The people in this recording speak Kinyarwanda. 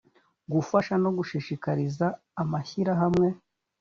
gufasha no gushishikariza amashyirahamwe